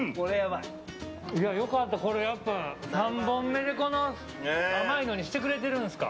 良かったこれ３本目で甘いのにしてくれてるんですか。